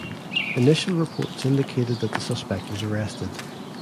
Initial reports indicated that the suspect was arrested.